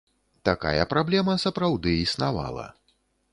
Такая праблема сапраўды існавала.